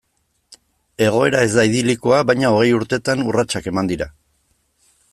Egoera ez da idilikoa, baina hogei urtetan urratsak eman dira.